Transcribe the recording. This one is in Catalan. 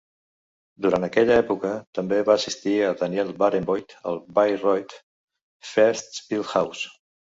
Durant aquella època també va assistir Daniel Barenboim al Bayreuth Festspielhaus.